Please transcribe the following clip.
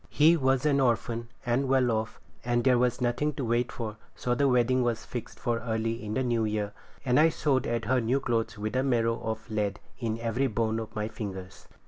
He was an orphan, and well off, and there was nothing to wait for, so the wedding was fixed for early in the new year; and I sewed at her new clothes with a marrow of lead in every bone of my fingers.